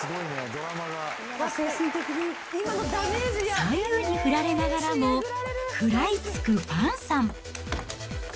左右に振られながらも、食らいつくファンさん。